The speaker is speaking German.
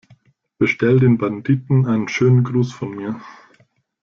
Bestell den Banditen einen schönen Gruß von mir!